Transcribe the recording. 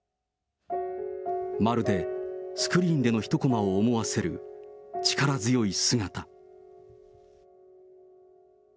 まるでスクリーンでの一こまを思わせる、力強い姿。